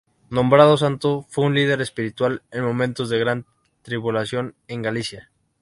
Nombrado santo, fue un líder espiritual en momentos de gran tribulación en Galicia.